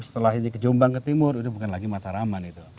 setelah ini ke jombang ke timur itu bukan lagi mataraman itu